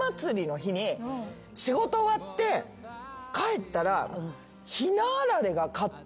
仕事終わって帰ったら。